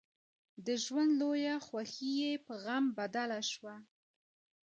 د ژوند لويه خوښي يې په غم بدله شوه.